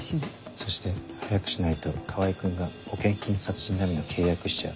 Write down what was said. そして早くしないと川合君が保険金殺人並みの契約しちゃう。